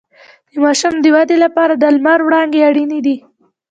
د ماشوم د ودې لپاره د لمر وړانګې اړینې دي